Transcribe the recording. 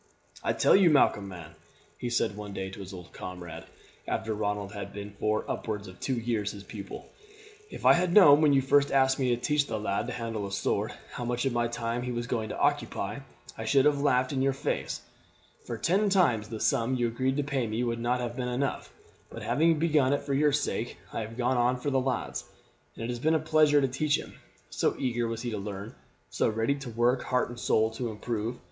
"I tell you, Malcolm, man," he said one day to his old comrade, after Ronald had been for upwards of two years his pupil, "if I had known, when you first asked me to teach the lad to handle a sword, how much of my time he was going to occupy, I should have laughed in your face, for ten times the sum you agreed to pay me would not have been enough; but, having begun it for your sake, I have gone on for the lad's. It has been a pleasure to teach him, so eager was he to learn so ready to work heart and soul to improve.